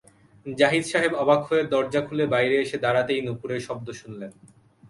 জাহিদ সাহেব অবাক হয়ে দরজা খুলে বাইরে এসে দাঁড়াতেই নূপুরের শব্দ শুনলেন!